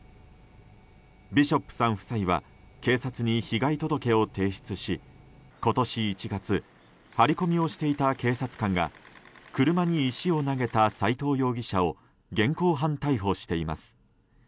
ビショップさん夫妻は警察に被害届を提出し今年１月張り込みをしていた警察官が車に石を投げた斎藤容疑者を現行犯逮捕しています。